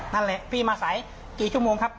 นั่นแหละพี่มาสายกี่ชั่วโมงครับ